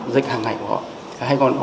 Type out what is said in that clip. dịch hàng ngày của họ